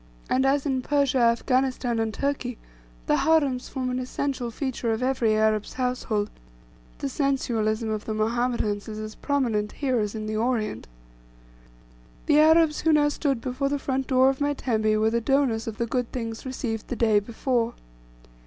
And, as in Persia, Afghanistan, and Turkey, the harems form an essential feature of every Arab's household; the sensualism of the Mohammedans is as prominent here as in the Orient. The Arabs who now stood before the front door of my tembe were the donors of the good things received the day before.